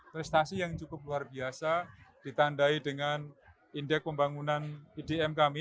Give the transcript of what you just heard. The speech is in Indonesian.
prestasi yang cukup luar biasa ditandai dengan indeks pembangunan edm kami